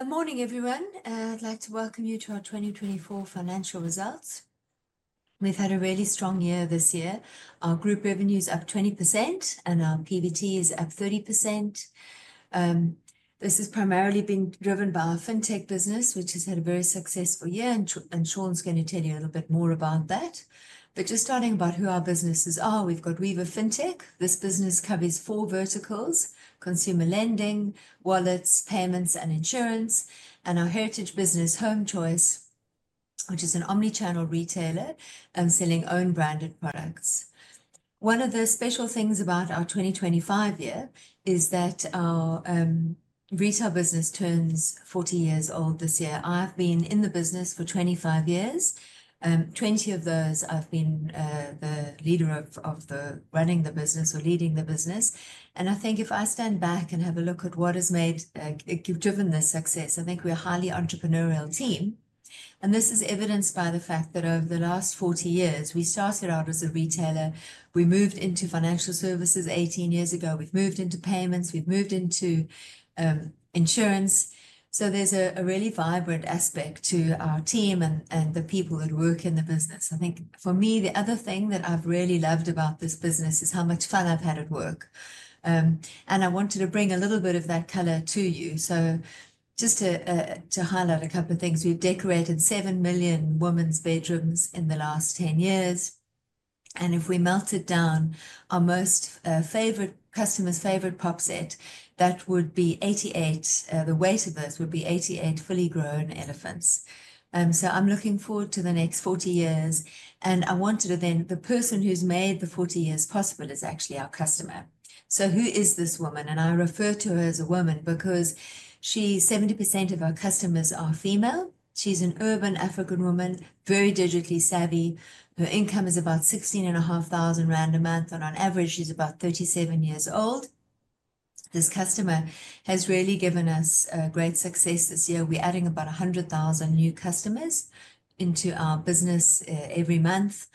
Good morning, everyone. I'd like to welcome you to our 2024 financial results. We've had a really strong year this year. Our group revenue is up 20%, and our PBT is up 30%. This has primarily been driven by our fintech business, which has had a very successful year, and Sean's going to tell you a little bit more about that. Just starting about who our businesses are, we've got Weaver Fintech. This business covers four verticals: consumer lending, wallets, payments, and insurance. Our heritage business, HomeChoice, which is an omnichannel retailer and selling own-branded products. One of the special things about our 2025 year is that our retail business turns 40 years old this year. I've been in the business for 25 years. 20 of those I've been the leader of, of the running the business or leading the business. I think if I stand back and have a look at what has made, given this success, I think we're a highly entrepreneurial team. This is evidenced by the fact that over the last 40 years, we started out as a retailer. We moved into financial services 18 years ago. We've moved into payments. We've moved into insurance. There's a really vibrant aspect to our team and the people that work in the business. I think for me, the other thing that I've really loved about this business is how much fun I've had at work. I wanted to bring a little bit of that color to you. Just to highlight a couple of things, we've decorated 7 million women's bedrooms in the last 10 years. If we melted down our most favorite customer's favorite pot set, that would be 88, the weight of us would be 88 fully grown elephants. I am looking forward to the next 40 years. I wanted to then, the person who's made the 40 years possible is actually our customer. Who is this woman? I refer to her as a woman because she, 70% of our customers are female. She is an urban African woman, very digitally savvy. Her income is about 16,500 rand a month, and on average, she is about 37 years old. This customer has really given us great success this year. We are adding about 100,000 new customers into our business every month.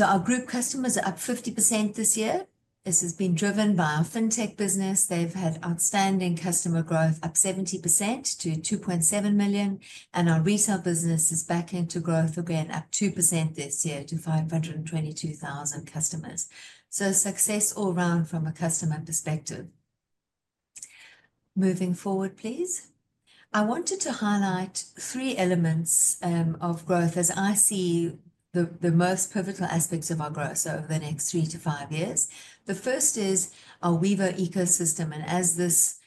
Our group customers are up 50% this year. This has been driven by our fintech business. They have had outstanding customer growth, up 70% to 2.7 million. Our retail business is back into growth again, up 2% this year to 522,000 customers. Success all around from a customer perspective. Moving forward, please. I wanted to highlight three elements of growth as I see the most pivotal aspects of our growth over the next three to five years. The first is our Weaver ecosystem. As this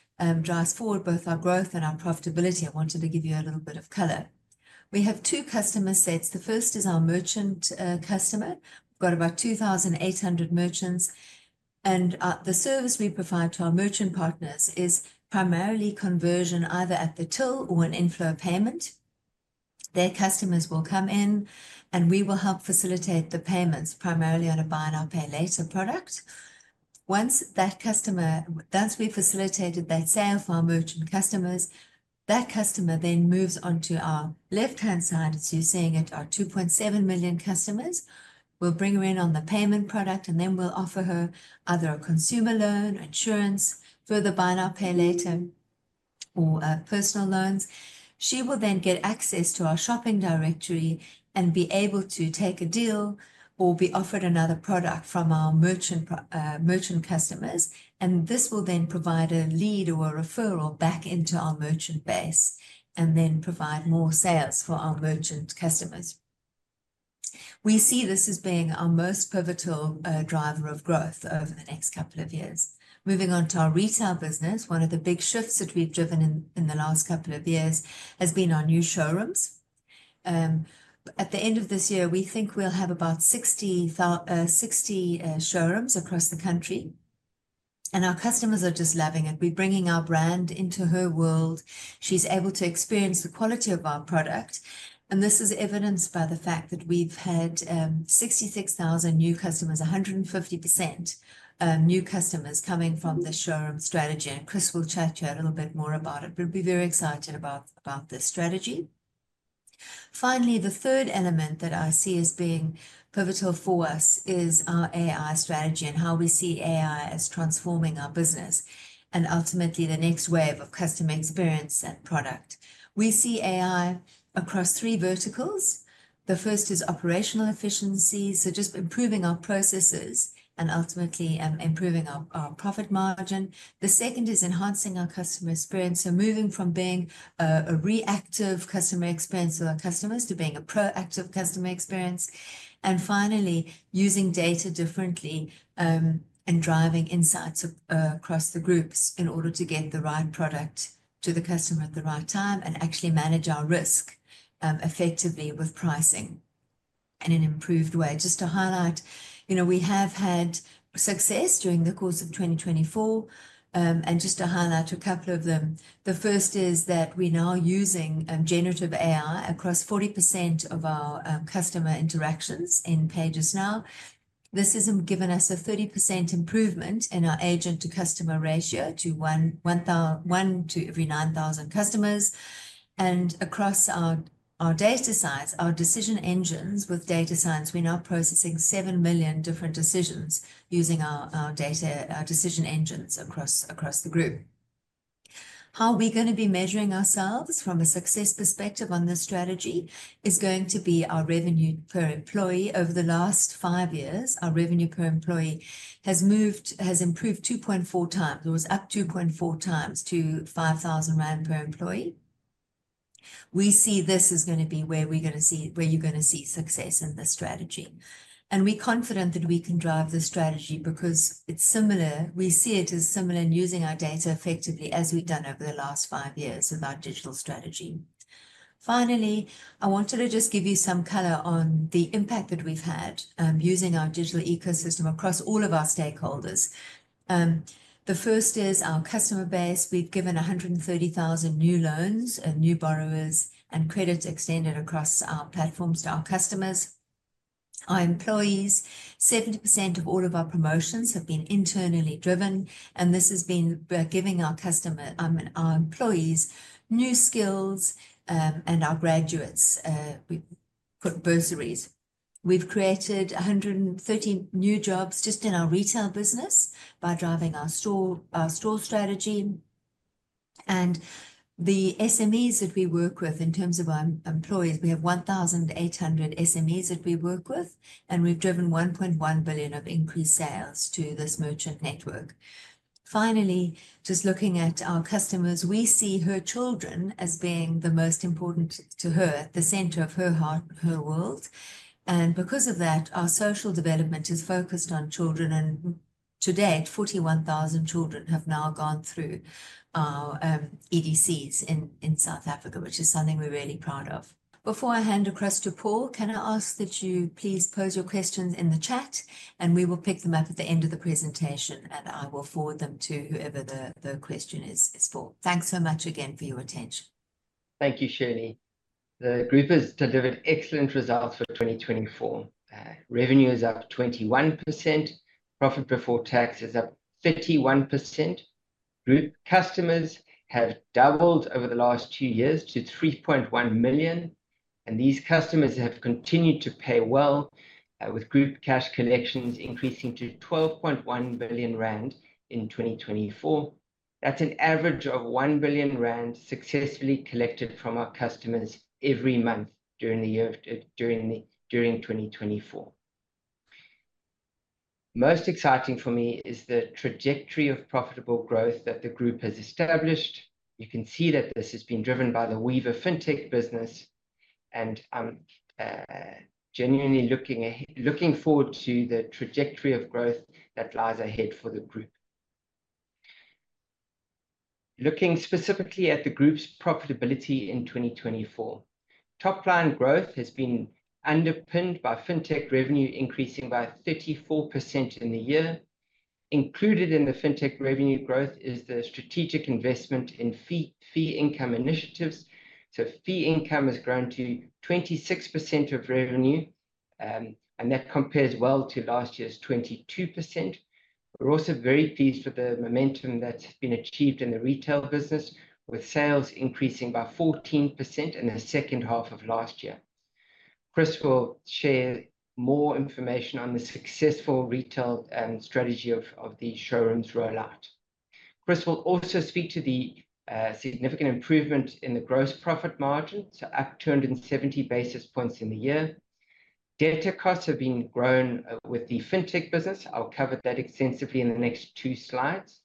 drives forward both our growth and our profitability, I wanted to give you a little bit of color. We have two customer sets. The first is our merchant customer. We've got about 2,800 merchants. The service we provide to our merchant partners is primarily conversion, either at the till or an inflow payment. Their customers will come in, and we will help facilitate the payments, primarily on a buy-now-pay-later product. Once that customer, once we've facilitated that sale for our merchant customers, that customer then moves onto our left-hand side. You are seeing it, our 2.7 million customers. We will bring her in on the payment product, and then we will offer her either a consumer loan, insurance, further buy-now-pay-later, or personal loans. She will then get access to our shopping directory and be able to take a deal or be offered another product from our merchant customers. This will then provide a lead or a referral back into our merchant base and provide more sales for our merchant customers. We see this as being our most pivotal driver of growth over the next couple of years. Moving on to our retail business, one of the big shifts that we have driven in the last couple of years has been our new showrooms. At the end of this year, we think we'll have about 60 showrooms across the country. Our customers are just loving it. We're bringing our brand into her world. She's able to experience the quality of our product. This is evidenced by the fact that we've had 66,000 new customers, 150% new customers coming from the showroom strategy. Chris will chat to you a little bit more about it. We're very excited about this strategy. Finally, the third element that I see as being pivotal for us is our AI strategy and how we see AI as transforming our business and ultimately the next wave of customer experience and product. We see AI across three verticals. The first is operational efficiency, so just improving our processes and ultimately, improving our profit margin. The second is enhancing our customer experience, moving from being a reactive customer experience with our customers to being a proactive customer experience. Finally, using data differently and driving insights across the groups in order to get the right product to the customer at the right time and actually manage our risk effectively with pricing in an improved way. Just to highlight, you know, we have had success during the course of 2024, and just to highlight a couple of them. The first is that we're now using generative AI across 40% of our customer interactions in PayJustNow. This has given us a 30% improvement in our agent-to-customer ratio to one, one thousand, one to every 9,000 customers. Across our data science, our decision engines with data science, we're now processing 7 million different decisions using our data, our decision engines across the group. How are we going to be measuring ourselves from a success perspective on this strategy is going to be our revenue per employee. Over the last five years, our revenue per employee has moved, has improved 2.4x. It was up 2.4x to 5,000 rand per employee. We see this is going to be where we're going to see, where you're going to see success in this strategy. We're confident that we can drive this strategy because it's similar. We see it as similar in using our data effectively as we've done over the last five years with our digital strategy. Finally, I wanted to just give you some color on the impact that we've had, using our digital ecosystem across all of our stakeholders. The first is our customer base. We've given 130,000 new loans and new borrowers and credits extended across our platforms to our customers. Our employees, 70% of all of our promotions have been internally driven, and this has been giving our employees new skills, and our graduates, we put bursaries. We've created 130 new jobs just in our retail business by driving our store, our store strategy. The SMEs that we work with in terms of our employees, we have 1,800 SMEs that we work with, and we've driven 1.1 billion of increased sales to this merchant network. Finally, just looking at our customers, we see her children as being the most important to her, the center of her heart, her world. Because of that, our social development is focused on children. Today, 41,000 children have now gone through our EDCs in South Africa, which is something we are really proud of. Before I hand across to Paul, can I ask that you please pose your questions in the chat, and we will pick them up at the end of the presentation, and I will forward them to whoever the question is for. Thanks so much again for your attention. Thank you, Shirley. The group has delivered excellent results for 2024. Revenue is up 21%, profit before tax is up 31%. Group customers have doubled over the last two years to 3.1 million, and these customers have continued to pay well, with group cash collections increasing to 12.1 billion rand in 2024. That's an average of 1 billion rand successfully collected from our customers every month during the year, during 2024. Most exciting for me is the trajectory of profitable growth that the group has established. You can see that this has been driven by the Weaver Fintech business and genuinely looking forward to the trajectory of growth that lies ahead for the group. Looking specifically at the group's profitability in 2024, top line growth has been underpinned by fintech revenue increasing by 34% in the year. Included in the fintech revenue growth is the strategic investment in fee, fee income initiatives. Fee income has grown to 26% of revenue, and that compares well to last year's 22%. We're also very pleased with the momentum that's been achieved in the retail business, with sales increasing by 14% in the second half of last year. Chris will share more information on the successful retail strategy of the showrooms rollout. Chris will also speak to the significant improvement in the gross profit margin, so up 270 basis points in the year. Debtors costs have been grown with the fintech business. I'll cover that extensively in the next two slides.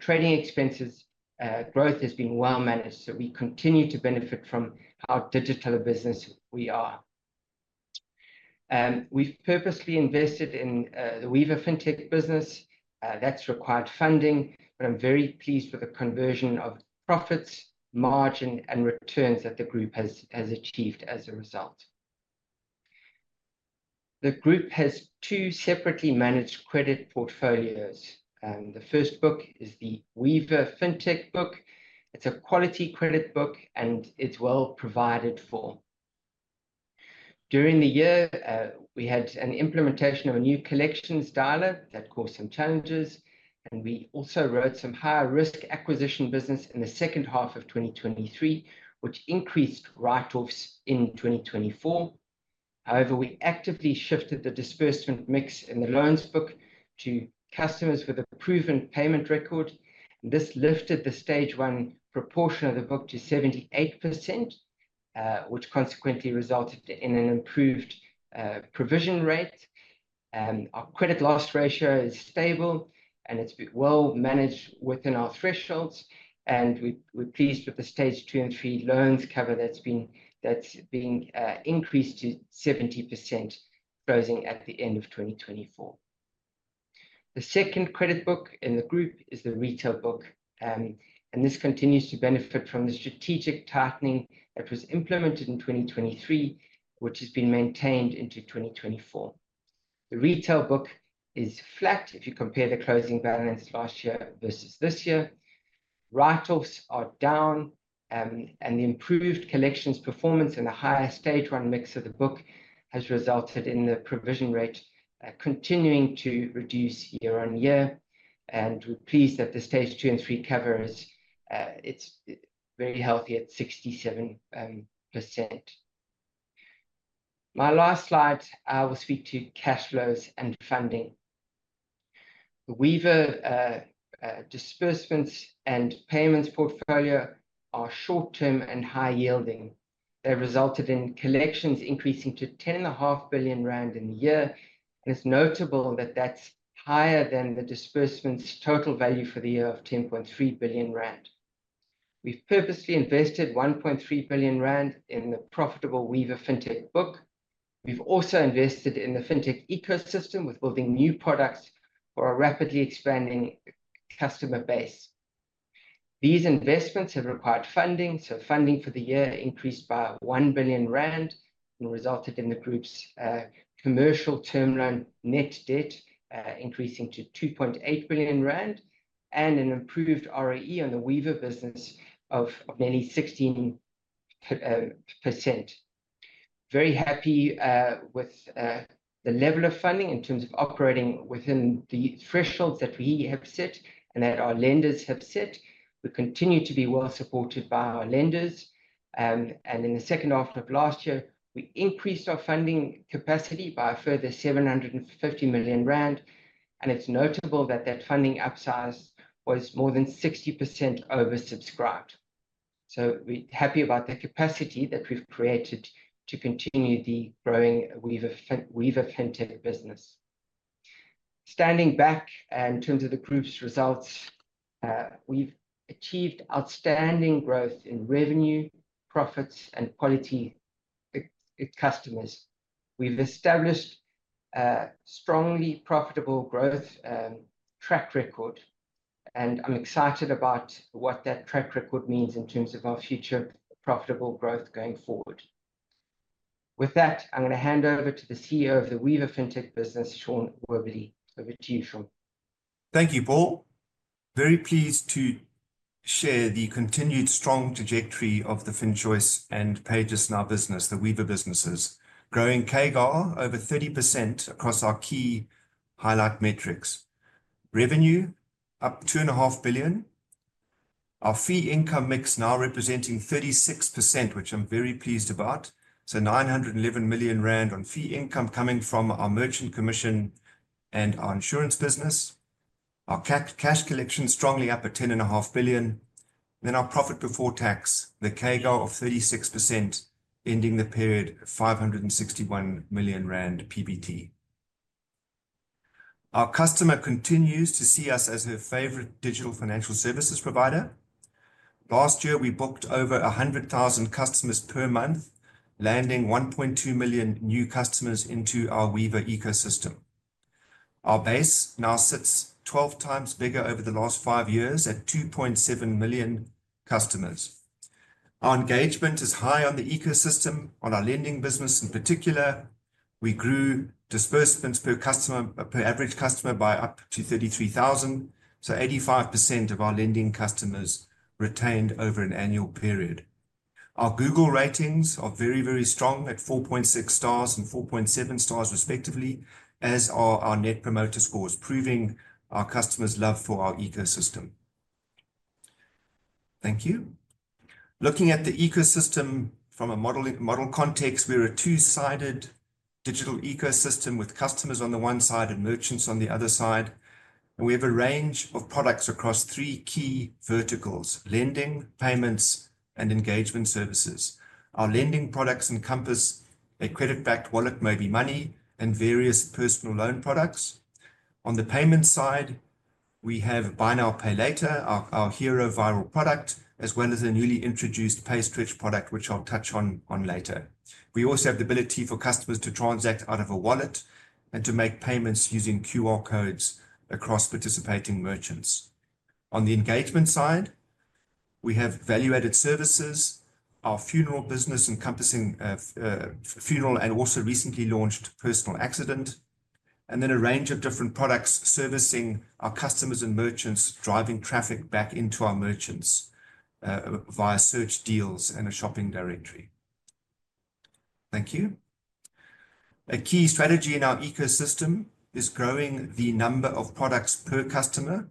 Trading expenses growth has been well managed, so we continue to benefit from how digital a business we are. We've purposely invested in the Weaver Fintech business. That's required funding, but I'm very pleased with the conversion of profits, margin, and returns that the group has achieved as a result. The group has two separately managed credit portfolios. The first book is the Weaver Fintech book. It's a quality credit book, and it's well provided for. During the year, we had an implementation of a new collections dialer that caused some challenges, and we also wrote some higher risk acquisition business in the second half of 2023, which increased write-offs in 2024. However, we actively shifted the disbursement mix in the loans book to customers with a proven payment record. This lifted the stage one proportion of the book to 78%, which consequently resulted in an improved provision rate. Our credit loss ratio is stable, and it's well managed within our thresholds. We are pleased with the stage two and three loans cover that has been increased to 70% closing at the end of 2024. The second credit book in the group is the retail book, and this continues to benefit from the strategic tightening that was implemented in 2023, which has been maintained into 2024. The retail book is flat if you compare the closing balance last year versus this year. Write-offs are down, and the improved collections performance and the higher stage one mix of the book has resulted in the provision rate continuing to reduce year on year. We are pleased that the stage two and three cover is very healthy at 67%. My last slide, I will speak to cash flows and funding. The Weaver disbursements and payments portfolio are short-term and high-yielding. They resulted in collections increasing to 10.5 billion rand in the year. It's notable that that's higher than the disbursements total value for the year of 10.3 billion rand. We've purposely invested 1.3 billion rand in the profitable Weaver Fintech book. We've also invested in the fintech ecosystem with building new products for a rapidly expanding customer base. These investments have required funding, so funding for the year increased by 1 billion rand and resulted in the group's commercial term loan net debt increasing to 2.8 billion rand and an improved ROE on the Weaver Fintech business of nearly 16%. Very happy, with, the level of funding in terms of operating within the thresholds that we have set and that our lenders have set. We continue to be well supported by our lenders. In the second half of last year, we increased our funding capacity by a further 750 million rand. It is notable that that funding upsize was more than 60% oversubscribed. We are happy about the capacity that we have created to continue the growing Weaver Fintech business. Standing back in terms of the group's results, we have achieved outstanding growth in revenue, profits, and quality customers. We have established a strongly profitable growth track record, and I am excited about what that track record means in terms of our future profitable growth going forward. With that, I am going to hand over to the CEO of the Weaver Fintech business, Sean Wibberley. Over to you, Sean. Thank you, Paul. Very pleased to share the continued strong trajectory of the FinChoice and PayJustNow business, the Weaver Fintech businesses. Growing CAGR over 30% across our key highlight metrics. Revenue up 2.5 billion. Our fee income mix now representing 36%, which I'm very pleased about. 911 million rand on fee income coming from our merchant commission and our insurance business. Our cash collection strongly up at 10.5 billion. Our profit before tax, the CAGR of 36%, ending the period at 561 million rand PBT. Our customer continues to see us as her favorite digital financial services provider. Last year, we booked over 100,000 customers per month, landing 1.2 million new customers into our Weaver Fintech ecosystem. Our base now sits 12x bigger over the last five years at 2.7 million customers. Our engagement is high on the ecosystem, on our lending business in particular. We grew disbursements per customer, per average customer by up to 33,000. 85% of our lending customers retained over an annual period. Our Google ratings are very, very strong at 4.6 stars and 4.7 stars respectively, as are our net promoter scores, proving our customers' love for our ecosystem. Thank you. Looking at the ecosystem from a model model context, we are a two-sided digital ecosystem with customers on the one side and merchants on the other side. We have a range of products across three key verticals: lending, payments, and engagement services. Our lending products encompass a credit-backed wallet, MobiMoney, and various personal loan products. On the payment side, we have buy-now-pay-later, our hero viral product, as well as a newly introduced PayStretch product, which I will touch on later. We also have the ability for customers to transact out of a wallet and to make payments using QR codes across participating merchants. On the engagement side, we have value-added services, our funeral business encompassing funeral and also recently launched personal accident, and then a range of different products servicing our customers and merchants, driving traffic back into our merchants via search deals and a shopping directory. Thank you. A key strategy in our ecosystem is growing the number of products per customer.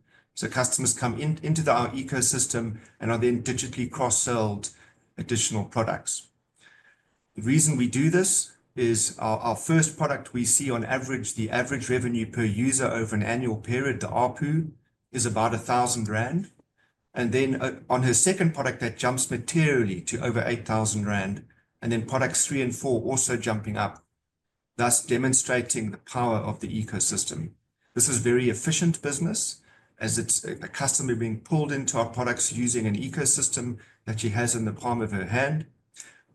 Customers come into our ecosystem and are then digitally cross-selled additional products. The reason we do this is our first product we see on average, the average revenue per user over an annual period, the APU, is about 1,000 rand. On her second product, that jumps materially to over 8,000 rand, and then products three and four also jumping up, thus demonstrating the power of the ecosystem. This is a very efficient business as it is a customer being pulled into our products using an ecosystem that she has in the palm of her hand.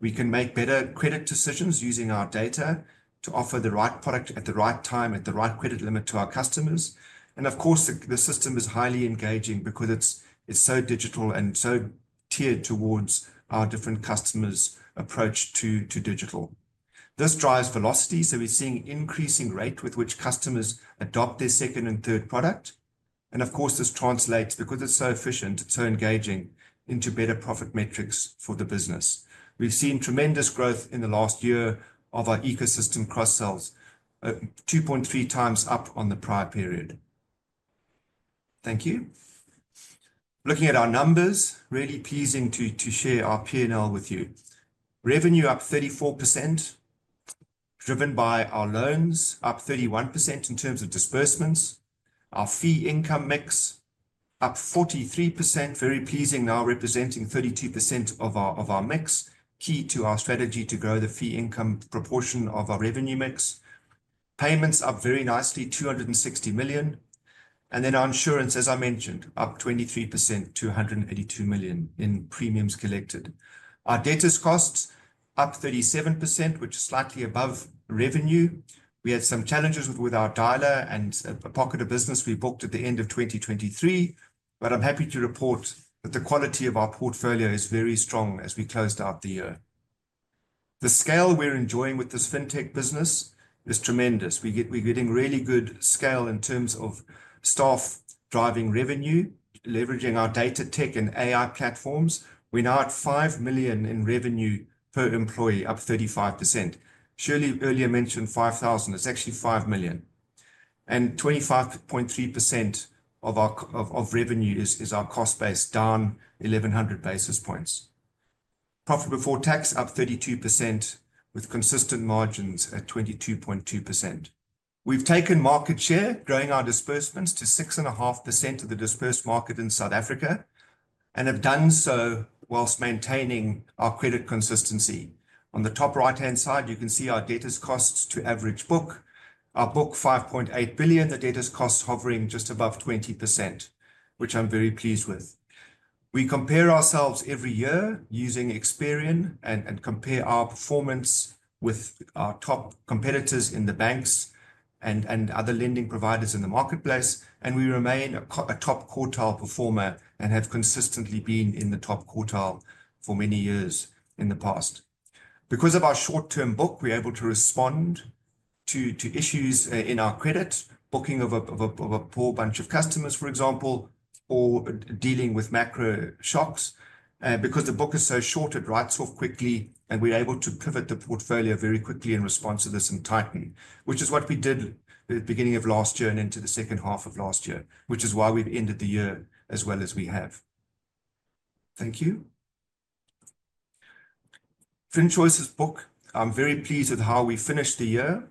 We can make better credit decisions using our data to offer the right product at the right time at the right credit limit to our customers. Of course, the system is highly engaging because it is so digital and so tiered towards our different customers' approach to digital. This drives velocity. We are seeing an increasing rate with which customers adopt their second and third product. Of course, this translates, because it is so efficient, it is so engaging, into better profit metrics for the business. We've seen tremendous growth in the last year of our ecosystem cross-sells, 2.3x up on the prior period. Thank you. Looking at our numbers, really pleasing to share our P&L with you. Revenue up 34%, driven by our loans, up 31% in terms of disbursements. Our fee income mix up 43%, very pleasing now, representing 32% of our mix, key to our strategy to grow the fee income proportion of our revenue mix. Payments up very nicely, 260 million. Our insurance, as I mentioned, up 23%, 282 million in premiums collected. Our debtors costs up 37%, which is slightly above revenue. We had some challenges with our dialer and a pocket of business we booked at the end of 2023, but I'm happy to report that the quality of our portfolio is very strong as we closed out the year. The scale we're enjoying with this fintech business is tremendous. We're getting really good scale in terms of staff driving revenue, leveraging our data tech and AI platforms. We're now at 5 million in revenue per employee, up 35%. Shirley earlier mentioned 5,000. It's actually 5 million. And 25.3% of our revenue is our cost base, down 1,100 basis points. Profit before tax up 32% with consistent margins at 22.2%. We've taken market share, growing our disbursements to 6.5% of the disbursed market in South Africa, and have done so whilst maintaining our credit consistency. On the top right-hand side, you can see our debtors costs to average book. Our book 5.8 billion, the debtors costs hovering just above 20%, which I'm very pleased with. We compare ourselves every year using Experian and compare our performance with our top competitors in the banks and other lending providers in the marketplace, and we remain a top quartile performer and have consistently been in the top quartile for many years in the past. Because of our short-term book, we're able to respond to issues in our credit, booking of a poor bunch of customers, for example, or dealing with macro shocks. Because the book is so short, it writes off quickly, and we're able to pivot the portfolio very quickly in response to this and tighten, which is what we did at the beginning of last year and into the second half of last year, which is why we've ended the year as well as we have. Thank you. FinChoice's book, I'm very pleased with how we finished the year.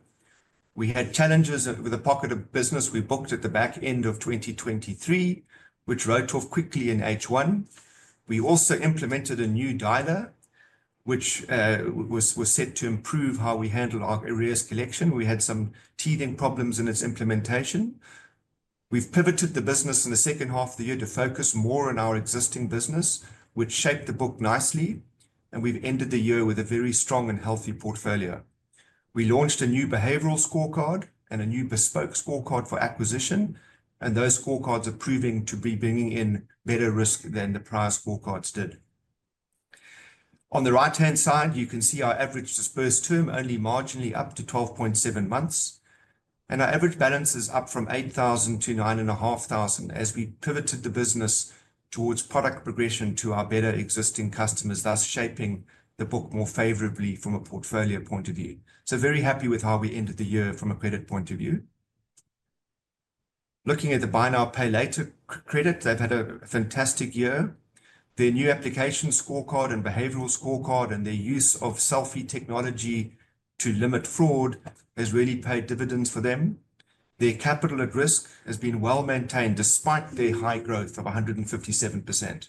We had challenges with a pocket of business we booked at the back end of 2023, which wrote off quickly in H1. We also implemented a new dialer, which was set to improve how we handle our arrears collection. We had some teething problems in its implementation. We've pivoted the business in the second half of the year to focus more on our existing business, which shaped the book nicely, and we've ended the year with a very strong and healthy portfolio. We launched a new behavioral scorecard and a new bespoke scorecard for acquisition, and those scorecards are proving to be bringing in better risk than the prior scorecards did. On the right-hand side, you can see our average disbursed term only marginally up to 12.7 months, and our average balance is up from 8,000 to 9,500 as we pivoted the business towards product progression to our better existing customers, thus shaping the book more favorably from a portfolio point of view. Very happy with how we ended the year from a credit point of view. Looking at the buy-now-pay-later credit, they've had a fantastic year. Their new application scorecard and behavioral scorecard and their use of selfie technology to limit fraud has really paid dividends for them. Their capital at risk has been well maintained despite their high growth of 157%.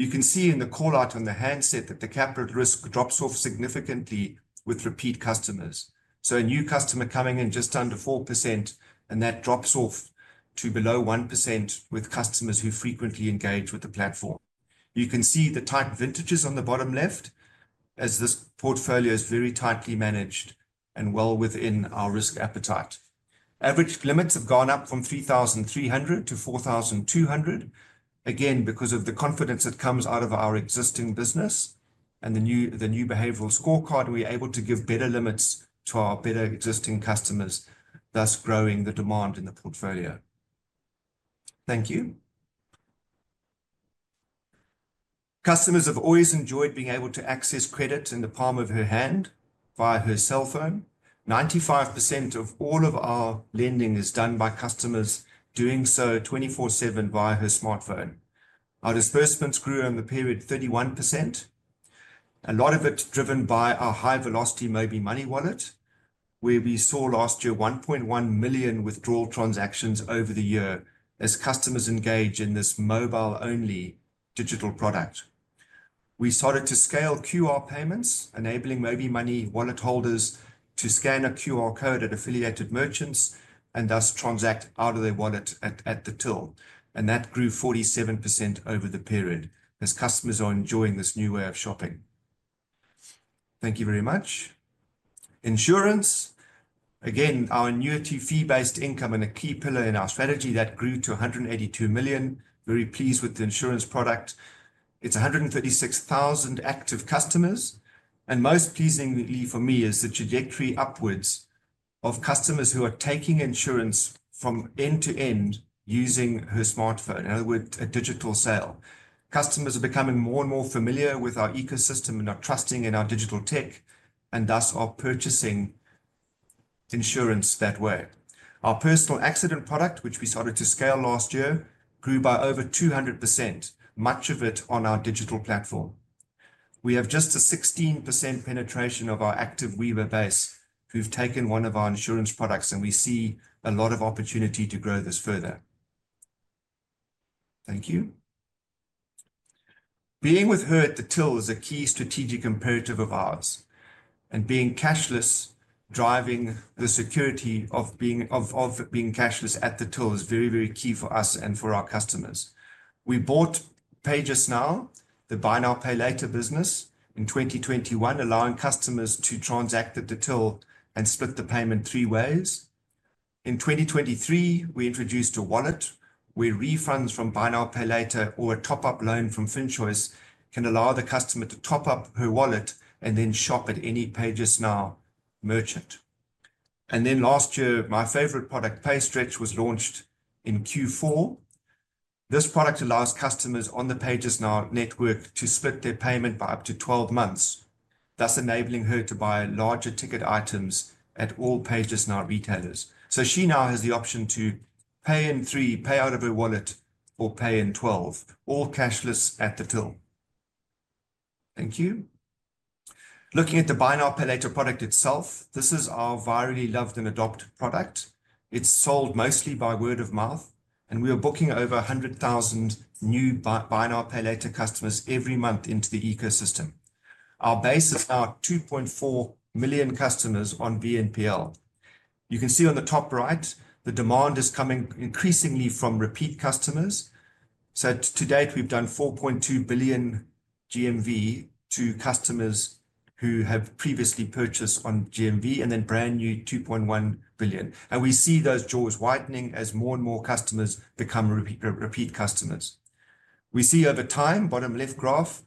You can see in the call out on the handset that the capital at risk drops off significantly with repeat customers. A new customer coming in just under 4%, and that drops off to below 1% with customers who frequently engage with the platform. You can see the tight vintages on the bottom left as this portfolio is very tightly managed and well within our risk appetite. Average limits have gone up from 3,300 to 4,200, again because of the confidence that comes out of our existing business and the new behavioral scorecard. We are able to give better limits to our better existing customers, thus growing the demand in the portfolio. Thank you. Customers have always enjoyed being able to access credit in the palm of her hand via her cell phone. 95% of all of our lending is done by customers doing so 24/7 via her smartphone. Our disbursements grew in the period 31%. A lot of it driven by our high velocity MobiMoney wallet, where we saw last year 1.1 million withdrawal transactions over the year as customers engage in this mobile-only digital product. We started to scale QR payments, enabling MobiMoney wallet holders to scan a QR code at affiliated merchants and thus transact out of their wallet at the till. That grew 47% over the period as customers are enjoying this new way of shopping. Thank you very much. Insurance, again, our annuity fee-based income and a key pillar in our strategy that grew to 182 million. Very pleased with the insurance product. It is 136,000 active customers. Most pleasingly for me is the trajectory upwards of customers who are taking insurance from end to end using her smartphone, in other words, a digital sale. Customers are becoming more and more familiar with our ecosystem and are trusting in our digital tech and thus are purchasing insurance that way. Our personal accident product, which we started to scale last year, grew by over 200%, much of it on our digital platform. We have just a 16% penetration of our active Weaver base. We have taken one of our insurance products and we see a lot of opportunity to grow this further. Thank you. Being with her at the till is a key strategic imperative of ours. Being cashless, driving the security of being cashless at the till is very, very key for us and for our customers. We bought PayJustNow, the buy-now-pay-later business in 2021, allowing customers to transact at the till and split the payment three ways. In 2023, we introduced a wallet where refunds from buy-now-pay-later or a top-up loan from FinChoice can allow the customer to top up her wallet and then shop at any PayJustNow merchant. Last year, my favorite product, PayStretch, was launched in Q4. This product allows customers on the PayJustNow network to split their payment by up to 12 months, thus enabling her to buy larger ticket items at all PayJustNow retailers. She now has the option to pay in three, pay out of her wallet, or pay in 12, all cashless at the till. Thank you. Looking at the buy-now-pay-later product itself, this is our virally loved and adopted product. It is sold mostly by word of mouth, and we are booking over 100,000 new buy-now-pay-later customers every month into the ecosystem. Our base is now 2.4 million customers on BNPL. You can see on the top right, the demand is coming increasingly from repeat customers. To date, we have done 4.2 billion GMV to customers who have previously purchased on GMV and then brand new 2.1 billion. We see those jaws widening as more and more customers become repeat customers. We see over time, bottom left graph,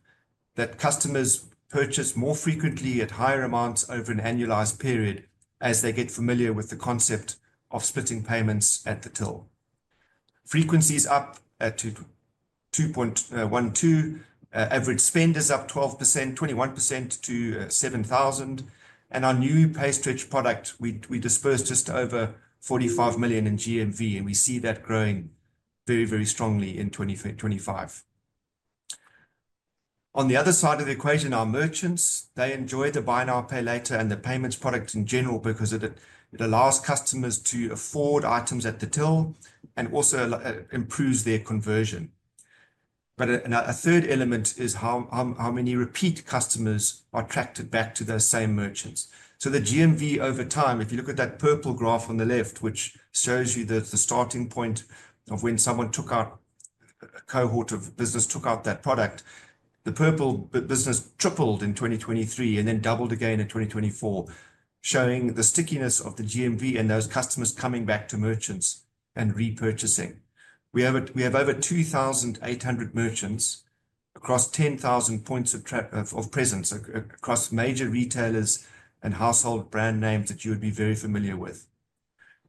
that customers purchase more frequently at higher amounts over an annualized period as they get familiar with the concept of splitting payments at the till. Frequency is up to 2.12, average spend is up 12%, 21% to 7,000. Our new PayStretch product, we disbursed just over 45 million in GMV, and we see that growing very, very strongly in 2025. On the other side of the equation, our merchants, they enjoy the buy-now-pay-later and the payments product in general because it allows customers to afford items at the till and also improves their conversion. A third element is how many repeat customers are attracted back to those same merchants. The GMV over time, if you look at that purple graph on the left, which shows you the starting point of when someone took up a cohort of business, took up that product, the purple business tripled in 2023 and then doubled again in 2024, showing the stickiness of the GMV and those customers coming back to merchants and repurchasing. We have over 2,800 merchants across 10,000 points of presence across major retailers and household brand names that you would be very familiar with.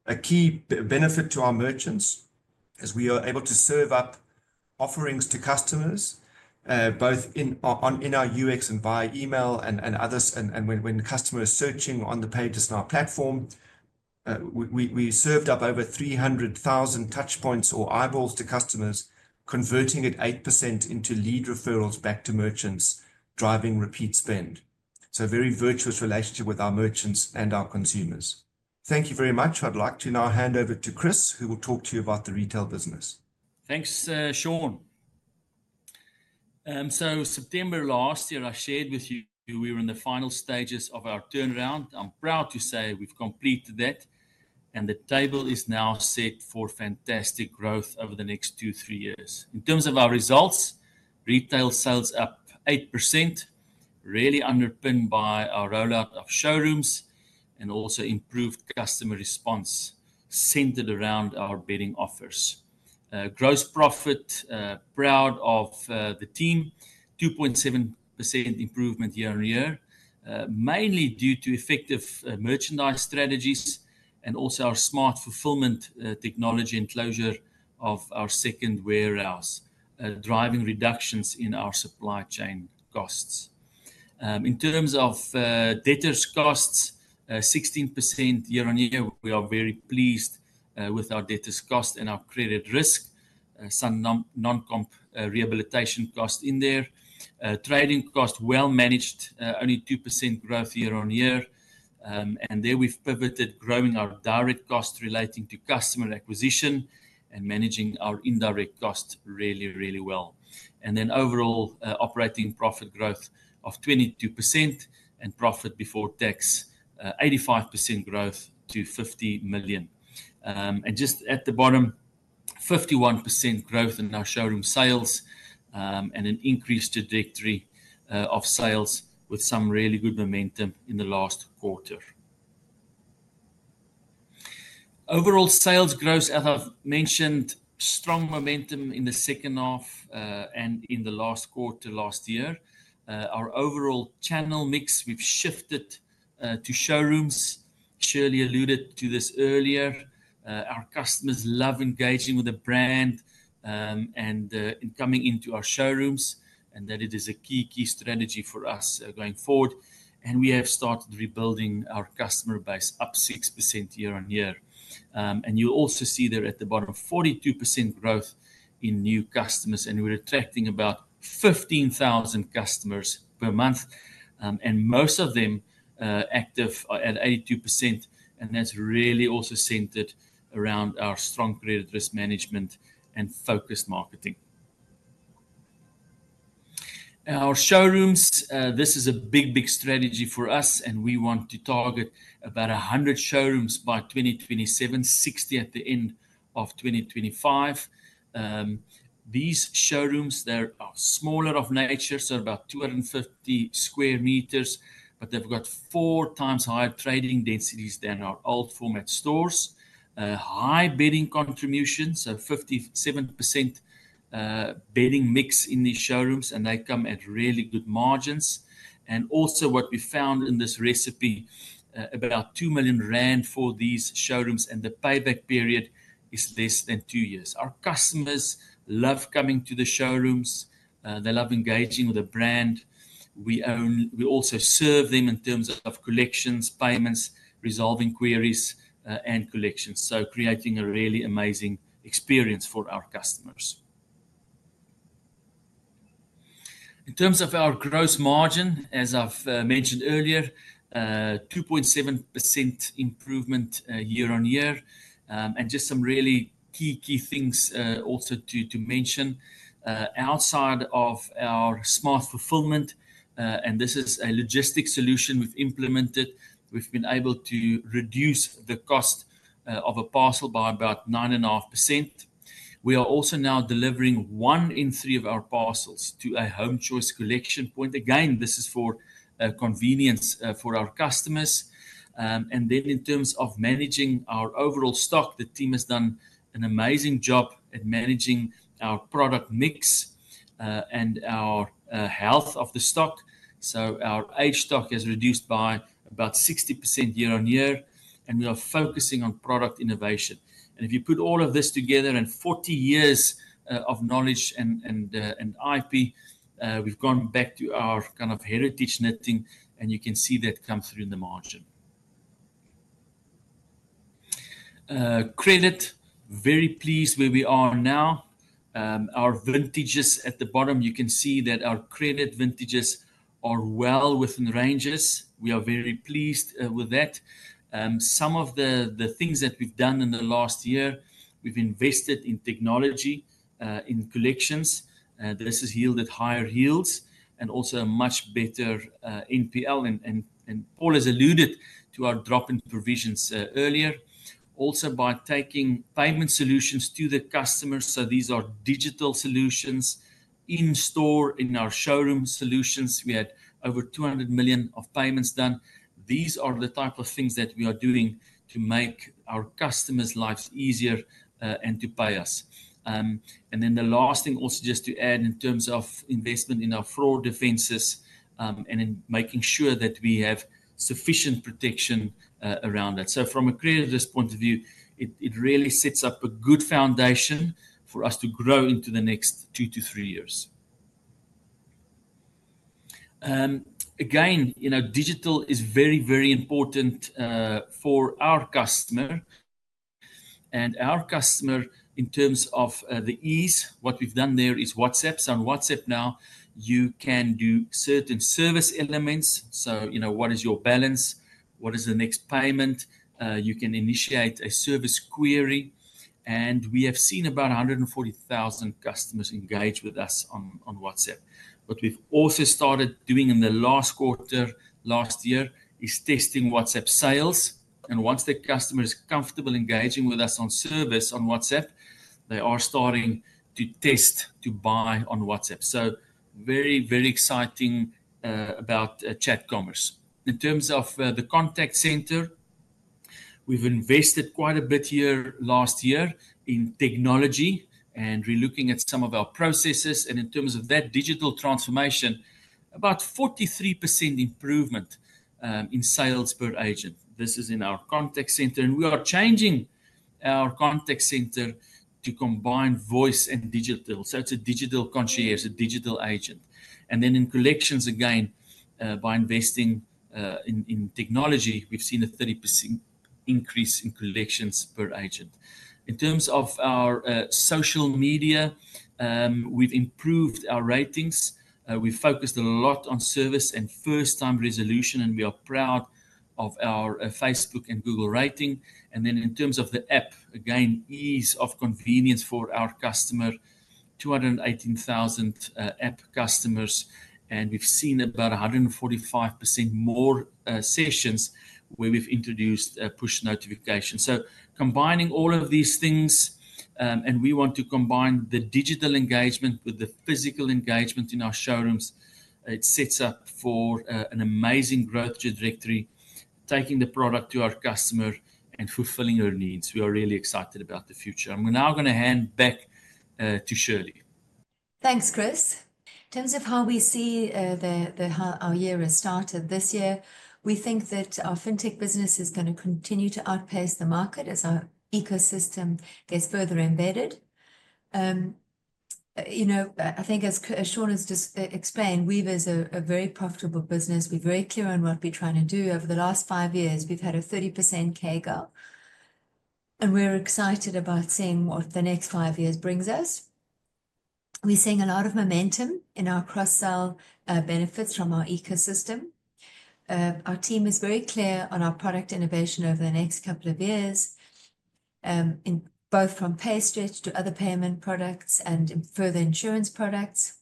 A key benefit to our merchants is we are able to serve up offerings to customers both in our UX and via email and others. When customers are searching on the PayJustNow platform, we served up over 300,000 touch points or eyeballs to customers, converting at 8% into lead referrals back to merchants, driving repeat spend. A very virtuous relationship with our merchants and our consumers. Thank you very much. I'd like to now hand over to Chris, who will talk to you about the retail business. Thanks, Sean. September last year, I shared with you we were in the final stages of our turnaround. I'm proud to say we've completed that, and the table is now set for fantastic growth over the next two, three years. In terms of our results, retail sales up 8%, really underpinned by our rollout of showrooms and also improved customer response centered around our bedding offers. Gross profit, proud of the team, 2.7% improvement year-on-year, mainly due to effective merchandise strategies and also our smart fulfillment technology and closure of our second warehouse, driving reductions in our supply chain costs. In terms of debtors costs, 16% year on year, we are very pleased with our debtors cost and our credit risk, some non-comp rehabilitation cost in there. Trading cost well managed, only 2% growth year on year. There we have pivoted, growing our direct costs relating to customer acquisition and managing our indirect costs really, really well. Overall operating profit growth of 22% and profit before tax, 85% growth to 50 million. Just at the bottom, 51% growth in our showroom sales and an increased trajectory of sales with some really good momentum in the last quarter. Overall sales growth, as I've mentioned, strong momentum in the second half and in the last quarter last year. Our overall channel mix, we've shifted to showrooms, Shirley alluded to this earlier. Our customers love engaging with the brand and coming into our showrooms, and that is a key, key strategy for us going forward. We have started rebuilding our customer base up 6% year on year. You'll also see there at the bottom, 42% growth in new customers, and we're attracting about 15,000 customers per month, and most of them active at 82%, and that's really also centered around our strong credit risk management and focused marketing. Our showrooms, this is a big, big strategy for us, and we want to target about 100 showrooms by 2027, 60 at the end of 2025. These showrooms, they are smaller of nature, so about 250 square meters, but they've got 4x higher trading densities than our old format stores. High bedding contributions, so 57% bedding mix in these showrooms, and they come at really good margins. What we found in this recipe, about 2 million rand for these showrooms, and the payback period is less than two years. Our customers love coming to the showrooms. They love engaging with a brand. We also serve them in terms of collections, payments, resolving queries, and collections, creating a really amazing experience for our customers. In terms of our gross margin, as I've mentioned earlier, 2.7% improvement year-on-year, and just some really key, key things also to mention. Outside of our smart fulfillment, and this is a logistics solution we've implemented, we've been able to reduce the cost of a parcel by about 9.5%. We are also now delivering one in three of our parcels to a HomeChoice collection point. Again, this is for convenience for our customers. In terms of managing our overall stock, the team has done an amazing job at managing our product mix and our health of the stock. Our age stock has reduced by about 60% year on year, and we are focusing on product innovation. If you put all of this together and 40 years of knowledge and IP, we've gone back to our kind of heritage knitting, and you can see that comes through in the margin. Credit, very pleased where we are now. Our vintages at the bottom, you can see that our credit vintages are well within ranges. We are very pleased with that. Some of the things that we've done in the last year, we've invested in technology, in collections. This has yielded higher yields and also a much better NPL. Paul has alluded to our drop-in provisions earlier. Also by taking payment solutions to the customers, so these are digital solutions in store, in our showroom solutions. We had over 200 million of payments done. These are the type of things that we are doing to make our customers' lives easier and to pay us. The last thing also just to add in terms of investment in our fraud defenses and in making sure that we have sufficient protection around that. From a credit risk point of view, it really sets up a good foundation for us to grow into the next 2-3 years. Digital is very, very important for our customer. Our customer, in terms of the ease, what we've done there is WhatsApp. On WhatsApp now, you can do certain service elements. What is your balance? What is the next payment? You can initiate a service query. We have seen about 140,000 customers engage with us on WhatsApp. What we've also started doing in the last quarter last year is testing WhatsApp sales. Once the customer is comfortable engaging with us on service on WhatsApp, they are starting to test to buy on WhatsApp. Very, very exciting about chat commerce. In terms of the contact center, we've invested quite a bit here last year in technology and relooking at some of our processes. In terms of that digital transformation, about 43% improvement in sales per agent. This is in our contact center. We are changing our contact center to combine voice and digital. It is a digital concierge, a digital agent. In collections again, by investing in technology, we've seen a 30% increase in collections per agent. In terms of our social media, we've improved our ratings. We've focused a lot on service and first-time resolution, and we are proud of our Facebook and Google rating. In terms of the app, again, ease of convenience for our customer, 218,000 app customers. We have seen about 145% more sessions where we have introduced push notifications. Combining all of these things, and we want to combine the digital engagement with the physical engagement in our showrooms, it sets up for an amazing growth trajectory, taking the product to our customer and fulfilling your needs. We are really excited about the future. I am now going to hand back to Shirley. Thanks, Chris. In terms of how we see how our year has started this year, we think that our fintech business is going to continue to outpace the market as our ecosystem gets further embedded. I think, as Sean has just explained, Weaver is a very profitable business. We are very clear on what we are trying to do. Over the last five years, we've had a 30% CAGR, and we're excited about seeing what the next five years brings us. We're seeing a lot of momentum in our cross-sell benefits from our ecosystem. Our team is very clear on our product innovation over the next couple of years, both from PayStretch to other payment products and further insurance products.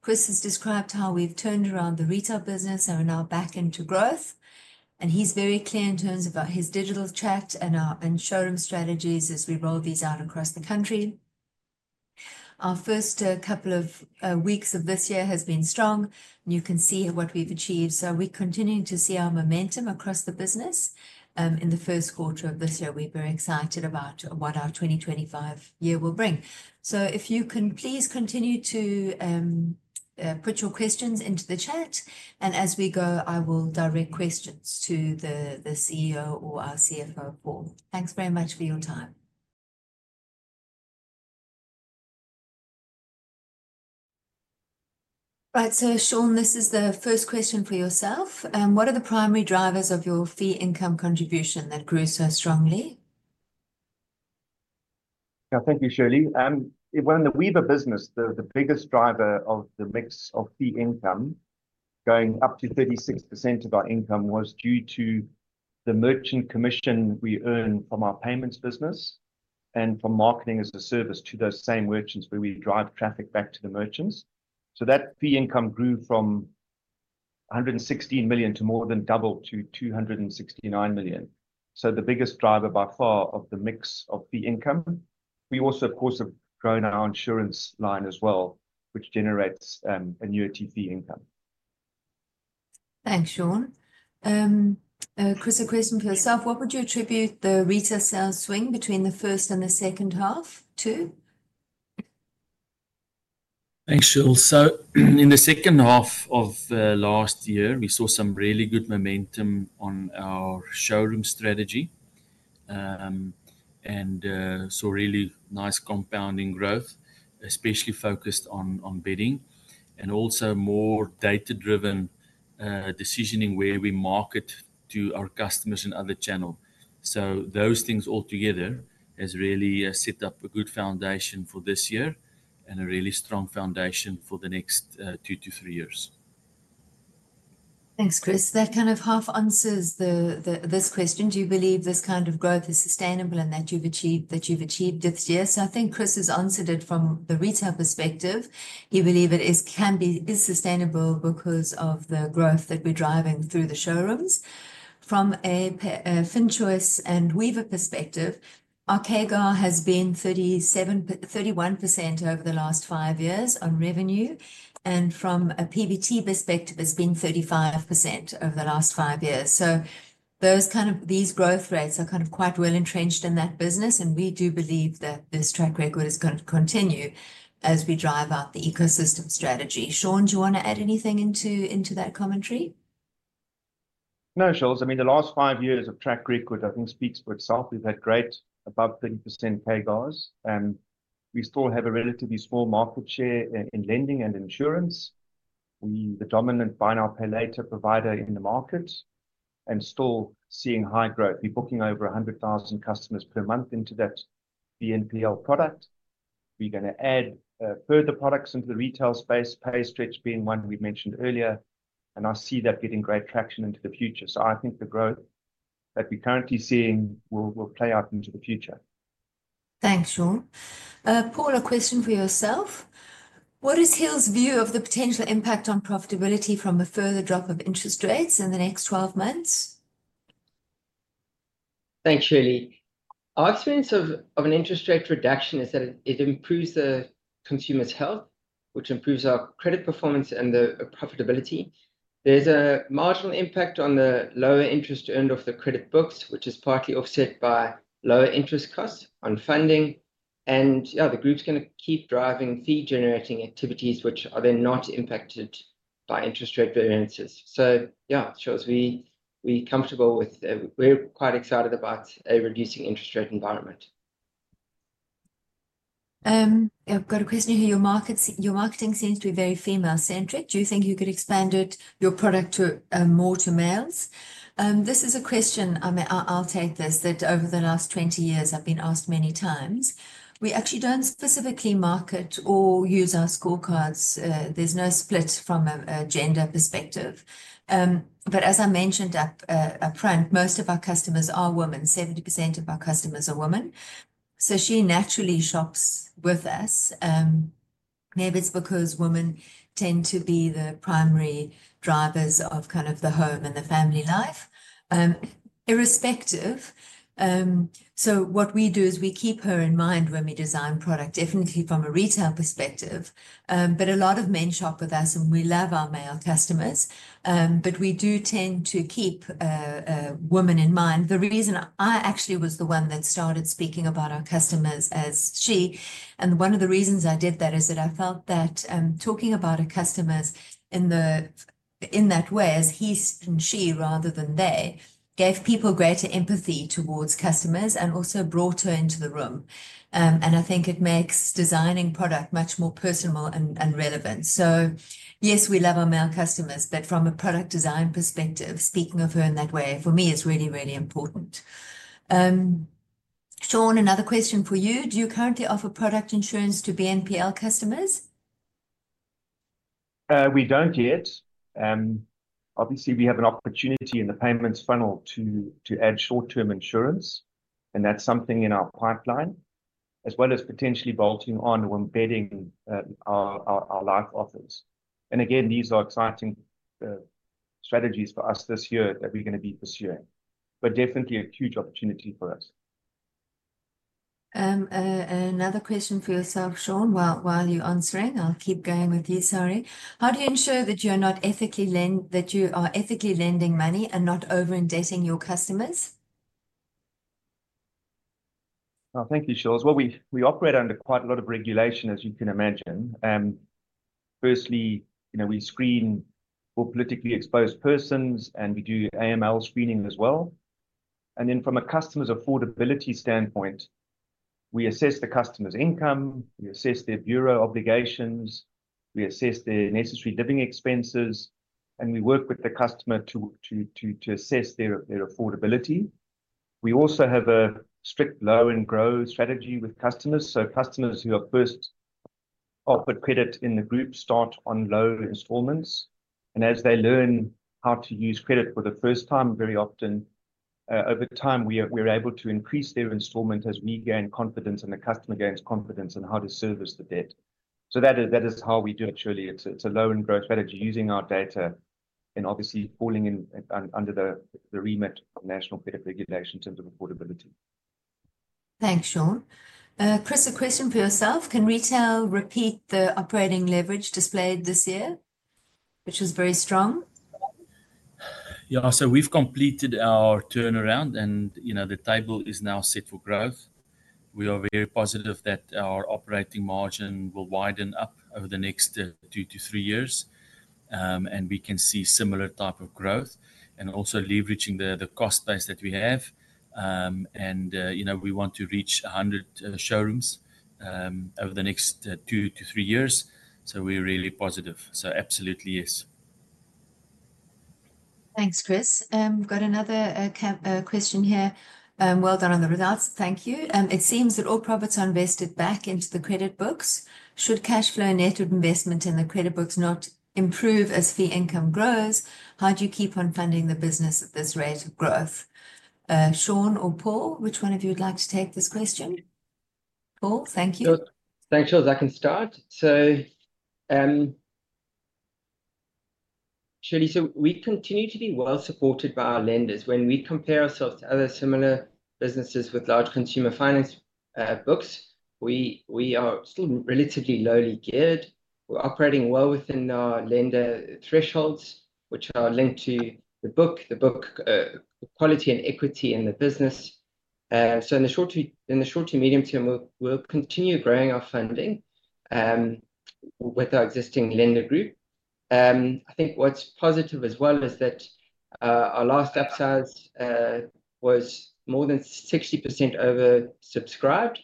Chris has described how we've turned around the retail business and are now back into growth. He is very clear in terms of his digital chat and showroom strategies as we roll these out across the country. Our first couple of weeks of this year has been strong, and you can see what we've achieved. We are continuing to see our momentum across the business. In the first quarter of this year, we're very excited about what our 2025 year will bring. If you can please continue to put your questions into the chat, and as we go, I will direct questions to the CEO or our CFO, Paul. Thanks very much for your time. Right, Sean, this is the first question for yourself. What are the primary drivers of your fee income contribution that grew so strongly? Yeah, thank you, Shirley. When the Weaver business, the biggest driver of the mix of fee income, going up to 36% of our income, was due to the merchant commission we earn from our payments business and from marketing as a service to those same merchants where we drive traffic back to the merchants. That fee income grew from 116 million to more than double to 269 million. The biggest driver by far of the mix of fee income. We also, of course, have grown our insurance line as well, which generates annuity fee income. Thanks, Sean. Chris, a question for yourself. What would you attribute the retail sales swing between the first and the second half to? Thanks, Shirley. In the second half of last year, we saw some really good momentum on our showroom strategy and saw really nice compounding growth, especially focused on bedding and also more data-driven decisioning where we market to our customers and other channels. Those things altogether have really set up a good foundation for this year and a really strong foundation for the next 2-3 years. Thanks, Chris. That kind of half answers this question. Do you believe this kind of growth is sustainable and that you've achieved this year? I think Chris has answered it from the retail perspective. He believes it can be sustainable because of the growth that we're driving through the showrooms. From a FinChoice and Weaver Fintech perspective, our CAGR has been 31% over the last five years on revenue, and from a PBT perspective, it's been 35% over the last five years. Those kind of these growth rates are kind of quite well entrenched in that business, and we do believe that this track record is going to continue as we drive up the ecosystem strategy. Sean, do you want to add anything into that commentary? No, Shirley. I mean, the last five years of track record, I think, speaks for itself. We've had great above 30% CAGRs, and we still have a relatively small market share in lending and insurance. We're the dominant buy-now-pay-later provider in the market and still seeing high growth. We're booking over 100,000 customers per month into that BNPL product. We're going to add further products into the retail space. PayStretch being one we mentioned earlier, and I see that getting great traction into the future. I think the growth that we're currently seeing will play out into the future. Thanks, Sean. Paul, a question for yourself. What is HIL's view of the potential impact on profitability from a further drop of interest rates in the next 12 months? Thanks, Shirley. Our experience of an interest rate reduction is that it improves the consumer's health, which improves our credit performance and the profitability. There's a marginal impact on the lower interest earned off the credit books, which is partly offset by lower interest costs on funding. The group's going to keep driving fee-generating activities, which are then not impacted by interest rate variances. Yeah, Shirley, we're comfortable with, we're quite excited about a reducing interest rate environment. I've got a question here. Your marketing seems to be very female-centric. Do you think you could expand your product more to males? This is a question, I'll take this, that over the last 20 years, I've been asked many times. We actually don't specifically market or use our scorecards. There's no split from a gender perspective. As I mentioned upfront, most of our customers are women. 70% of our customers are women. She naturally shops with us. Maybe it's because women tend to be the primary drivers of kind of the home and the family life. Irrespective, what we do is we keep her in mind when we design product, definitely from a retail perspective. A lot of men shop with us, and we love our male customers. We do tend to keep a woman in mind. The reason I actually was the one that started speaking about our customers as she, and one of the reasons I did that is that I felt that talking about our customers in that way, as he and she rather than they, gave people greater empathy towards customers and also brought her into the room. I think it makes designing product much more personal and relevant. Yes, we love our male customers, but from a product design perspective, speaking of her in that way, for me, is really, really important. Sean, another question for you. Do you currently offer product insurance to BNPL customers? We do not yet. Obviously, we have an opportunity in the payments funnel to add short-term insurance, and that is something in our pipeline, as well as potentially bolting on or embedding our life offers. These are exciting strategies for us this year that we're going to be pursuing. Definitely a huge opportunity for us. Another question for yourself, Sean, while you're answering. I'll keep going with you, sorry. How do you ensure that you are not ethically lending money and not over-indexing your customers? Thank you, Shirley. We operate under quite a lot of regulation, as you can imagine. Firstly, we screen for politically exposed persons, and we do AML screening as well. From a customer's affordability standpoint, we assess the customer's income, we assess their bureau obligations, we assess their necessary living expenses, and we work with the customer to assess their affordability. We also have a strict low-end growth strategy with customers. Customers who have first offered credit in the group start on low installments. As they learn how to use credit for the first time, very often, over time, we're able to increase their installment as we gain confidence and the customer gains confidence in how to service the debt. That is how we do it, Shirley. It's a low-end growth strategy using our data and obviously falling under the remit of national credit regulation in terms of affordability. Thanks, Sean. Chris, a question for yourself. Can retail repeat the operating leverage displayed this year, which was very strong? Yeah, we've completed our turnaround, and the table is now set for growth. We are very positive that our operating margin will widen up over the next 2-3 years, and we can see a similar type of growth and also leveraging the cost base that we have. We want to reach 100 showrooms over the next two to three years. We are really positive. Absolutely, yes. Thanks, Chris. Got another question here. Well done on the results. Thank you. It seems that all profits are invested back into the credit books. Should cash flow and net investment in the credit books not improve as fee income grows? How do you keep on funding the business at this rate of growth? Sean or Paul, which one of you would like to take this question? Paul, thank you. Thanks, Shirley. I can start. Shirley, we continue to be well supported by our lenders. When we compare ourselves to other similar businesses with large consumer finance books, we are still relatively lowly geared. We are operating well within our lender thresholds, which are linked to the book, the book quality and equity in the business. In the short to medium term, we'll continue growing our funding with our existing lender group. I think what's positive as well is that our last upsize was more than 60% oversubscribed.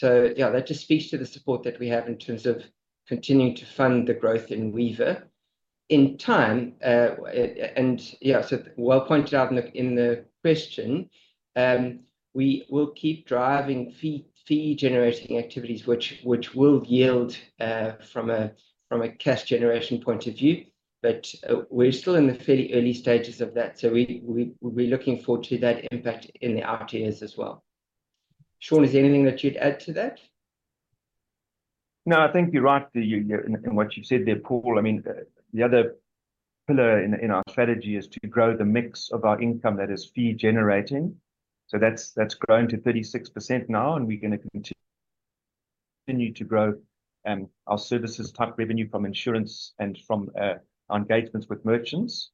That just speaks to the support that we have in terms of continuing to fund the growth in Weaver. In time, and yeah, so well pointed out in the question, we will keep driving fee-generating activities, which will yield from a cash generation point of view, but we're still in the fairly early stages of that. We're looking forward to that impact in the after years as well. Sean, is there anything that you'd add to that? No, I think you're right in what you've said there, Paul. I mean, the other pillar in our strategy is to grow the mix of our income that is fee-generating. That's grown to 36% now, and we're going to continue to grow our services-type revenue from insurance and from our engagements with merchants.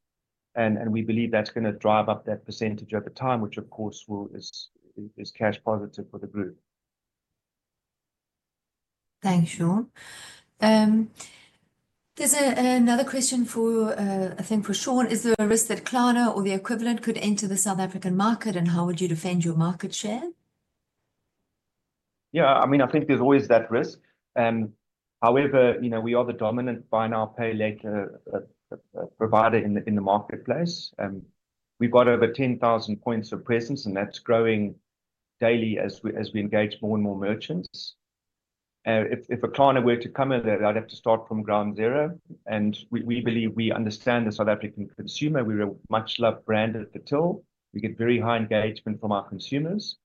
We believe that's going to drive up that percentage over time, which, of course, is cash positive for the group. Thanks, Sean. There's another question, I think, for Sean. Is there a risk that Klarna or the equivalent could enter the South African market, and how would you defend your market share? Yeah, I mean, I think there's always that risk. However, we are the dominant buy-now-pay-later provider in the marketplace. We've got over 10,000 points of presence, and that's growing daily as we engage more and more merchants. If a Klarna were to come in there, they'd have to start from ground zero. We believe we understand the South African consumer. We're a much-loved brand at the till. We get very high engagement from our consumers.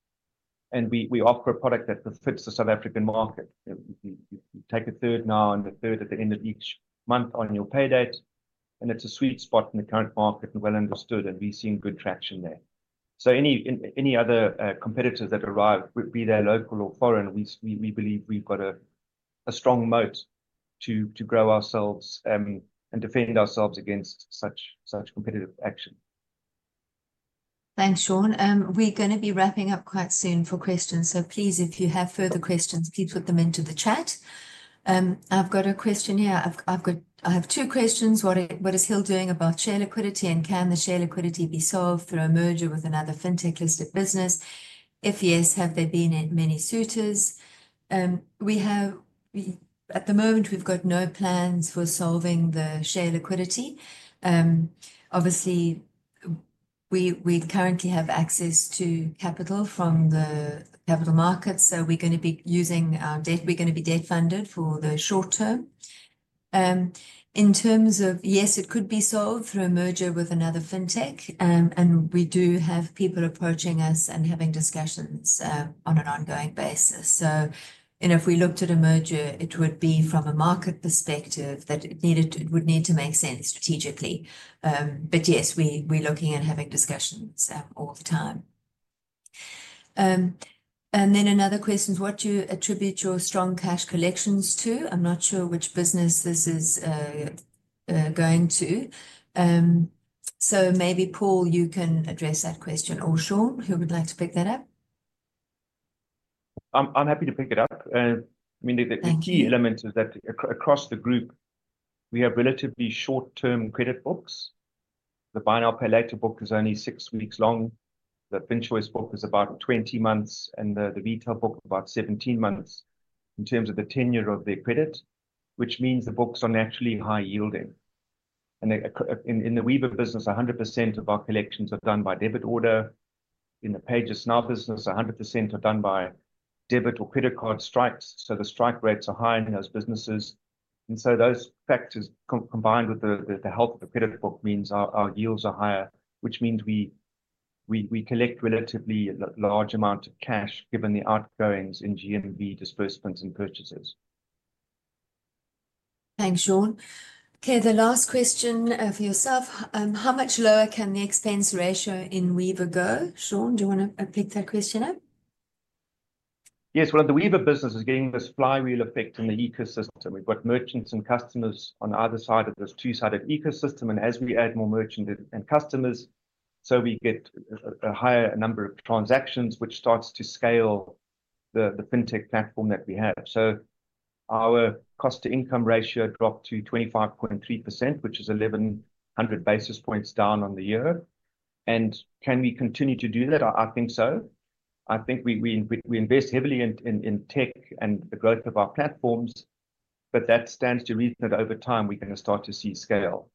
We offer a product that fits the South African market. You take a third now and a third at the end of each month on your pay date. It is a sweet spot in the current market and well understood, and we have seen good traction there. Any other competitors that arrive, be they local or foreign, we believe we have a strong moat to grow ourselves and defend ourselves against such competitive action. Thanks, Sean. We are going to be wrapping up quite soon for questions. Please, if you have further questions, put them into the chat. I have a question here. I have two questions. What is HIL doing about share liquidity, and can the share liquidity be solved through a merger with another fintech-listed business? If yes, have there been many suitors? At the moment, we've got no plans for solving the share liquidity. Obviously, we currently have access to capital from the capital markets, so we're going to be using our debt. We're going to be debt funded for the short term. In terms of, yes, it could be solved through a merger with another fintech, and we do have people approaching us and having discussions on an ongoing basis. If we looked at a merger, it would be from a market perspective that it would need to make sense strategically. Yes, we're looking and having discussions all the time. Another question is, what do you attribute your strong cash collections to? I'm not sure which business this is going to. Maybe, Paul, you can address that question or Sean, who would like to pick that up? I'm happy to pick it up. I mean, the key element is that across the group, we have relatively short-term credit books. The buy-now-pay-later book is only six weeks long. The FinChoice book is about 20 months, and the retail book is about 17 months in terms of the tenure of their credit, which means the books are naturally high-yielding. In the Weaver Fintech business, 100% of our collections are done by debit order. In the PayJustNow business, 100% are done by debit or credit card strikes. The strike rates are high in those businesses. Those factors combined with the health of the credit book means our yields are higher, which means we collect a relatively large amount of cash given the outgoings in GMV disbursements and purchases. Thanks, Sean. Okay, the last question for yourself. How much lower can the expense ratio in Weaver Fintech go? Sean, do you want to pick that question up? Yes, the Weaver Fintech business is getting this flywheel effect in the ecosystem. We have merchants and customers on either side of this two-sided ecosystem. As we add more merchants and customers, we get a higher number of transactions, which starts to scale the fintech platform that we have. Our cost-to-income ratio dropped to 25.3%, which is 1,100 basis points down on the year. Can we continue to do that? I think so. I think we invest heavily in tech and the growth of our platforms, but that stands to reason that over time we are going to start to see scale.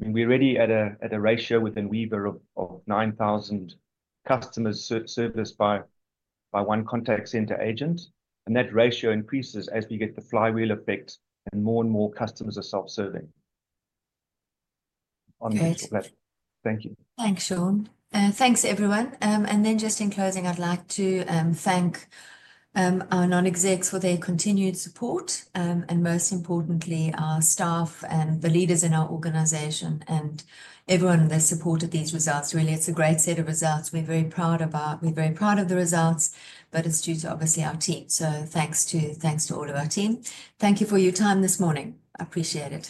I mean, we are already at a ratio within Weaver Fintech of 9,000 customers served by one contact center agent. That ratio increases as we get the flywheel effect and more and more customers are self-serving on the platform. Thank you. Thanks, Sean. Thanks, everyone. In closing, I'd like to thank our non-execs for their continued support and, most importantly, our staff and the leaders in our organization and everyone that supported these results. Really, it's a great set of results. We're very proud of our—we're very proud of the results, but it's due to, obviously, our team. Thanks to all of our team. Thank you for your time this morning. I appreciate it.